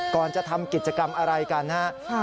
ก่อนจะทำกิจกรรมอะไรกันนะครับ